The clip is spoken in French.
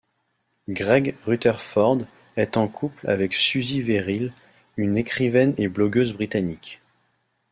Greg Rutherford est en couple avec Susie Verrill, une écrivaine et blogueuse britannique.